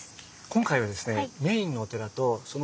今回はですね